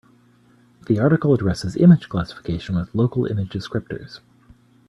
The article addresses image classification with local image descriptors.